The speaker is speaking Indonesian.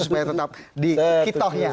supaya tetap dikitohnya